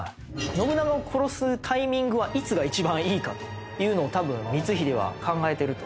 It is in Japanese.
信長を殺すタイミングはいつが一番いいかというのを多分光秀は考えてると。